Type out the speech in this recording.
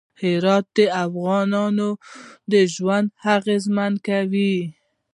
هرات د افغانانو ژوند اغېزمن کوي.